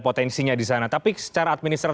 potensinya di sana tapi secara administratif